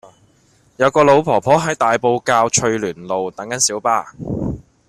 有個老婆婆喺大埔滘翠巒路等緊小巴